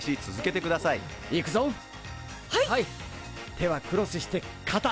手はクロスしてかた！